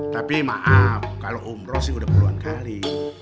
tapi maaf kalau umroh sih udah puluhan kali